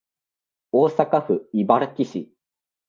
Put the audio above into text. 大阪府茨木市